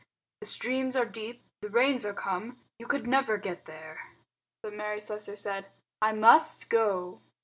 The streams are deep; the rains are come. You could never get there." But Mary Slessor said, "I must go."